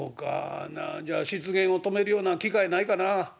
ほなじゃあ失言を止めるような機械ないかなあ」。